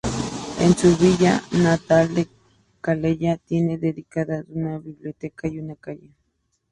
En su villa natal de Calella tiene dedicadas una biblioteca y una calle.